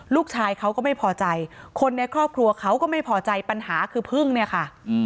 ลูกชายเขาก็ไม่พอใจคนในครอบครัวเขาก็ไม่พอใจปัญหาคือพึ่งเนี่ยค่ะ